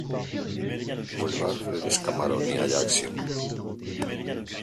Boulevard Fred Scamaroni, Ajaccio